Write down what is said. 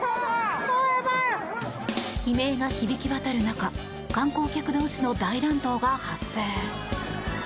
悲鳴が響き渡る中観光客同士の大乱闘が発生。